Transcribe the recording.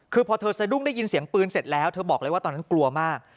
คือพอเธอสะดุ้งได้ยินเสียงปืนเสร็จแล้วเธอบอกเลยว่าตอนนั้นกลัวมาก